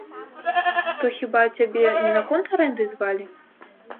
То хіба цябе не наконт арэнды звалі?